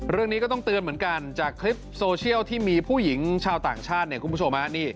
เรื่องนี้ก็ต้องเตือนเหมือนกันจากคลิปโซเชียลที่มีผู้หญิงชาวต่างชาติเนี่ยคุณผู้ชม